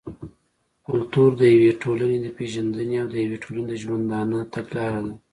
کلتور د يوې ټولني د پېژندني او د يوې ټولني د ژوندانه تګلاره ده.